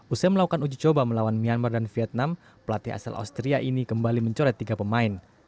usai melakukan uji coba melawan myanmar dan vietnam pelatih asal austria ini kembali mencoret tiga pemain